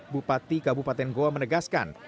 bupati kabupaten goa menegaskan